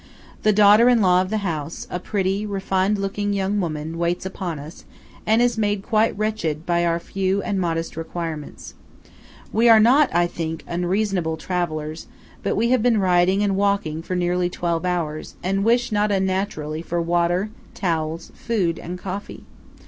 The daughter in law of the house, a pretty, refined looking young woman, waits upon us, and is made quite wretched by our few and modest requirements. We are not, I think, unreasonable travellers; but we have been riding and walking for nearly twelve hours, and wish, not unnaturally, for water, towels, food, and coffee.